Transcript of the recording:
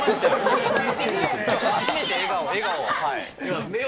初めて笑顔、笑顔を。